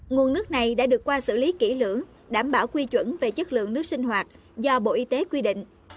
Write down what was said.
nguồn nước này đã được qua xử lý kỹ lưỡng đảm bảo quy chuẩn về chất lượng nước sinh hoạt do bộ y tế quy định